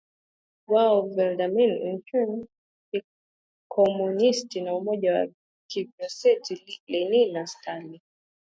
wao Vladimir Ilyich LeninUtawala wa kikomunisti na Umoja wa Kisovyeti Lenin na Stalin